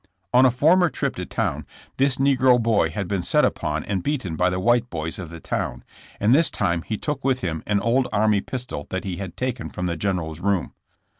On a former trip to town this negro boy had been set upon and beaten by the white boys of the town, and this time he took with him an old army pistol that he had taken from the General's room.